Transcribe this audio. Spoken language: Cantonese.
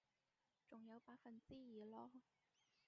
仲有百分之二囉